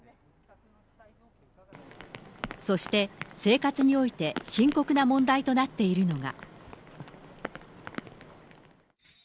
そして生活において深刻な問題となっているのが。